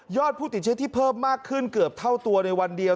ผู้ติดเชื้อที่เพิ่มมากขึ้นเกือบเท่าตัวในวันเดียว